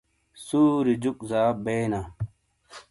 سُوری جُوک زاب بئینا۔